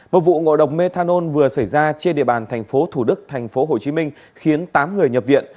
một vụ ngộ độc methanol vừa xảy ra trên địa bàn thành phố thủ đức thành phố hồ chí minh khiến tám người nhập viện